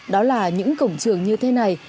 đó là những cổng trường như thế này